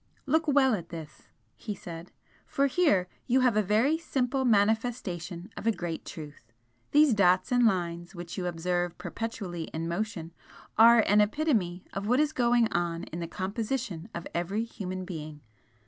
"Look well at this" he said "for here you have a very simple manifestation of a great truth. These dots and lines which you observe perpetually in motion are an epitome of what is going on in the composition of every human being.